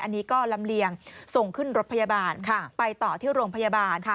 อันนี้ก็ลำเลียงส่งขึ้นรถพยาบาลไปต่อที่โรงพยาบาล